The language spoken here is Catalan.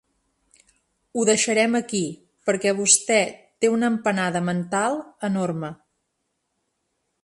Ho deixarem aquí perquè vostè té una empanada mental enorme.